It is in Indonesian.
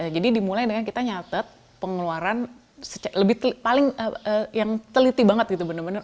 jadi dimulai dengan kita nyatet pengeluaran yang teliti banget